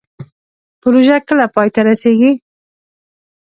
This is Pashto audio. پروژه کله پای ته رسیږي؟